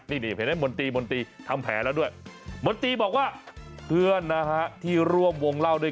นี่เห็นมนตรีทำแผลแล้วด้วย